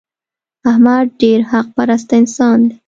احمد ډېر حق پرسته انسان دی.